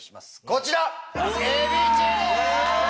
こちら。